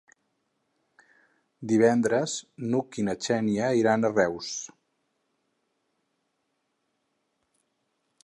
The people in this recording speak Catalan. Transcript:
Divendres n'Hug i na Xènia iran a Reus.